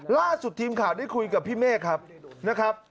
ล่าสุดทีมข่าวได้คุยกับพี่เมฆครับนะครับ